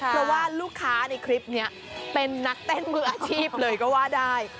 เพราะว่าลูกค้าในคลิปนี้เป็นนักเต้นมืออาชีพเลยก็ว่าได้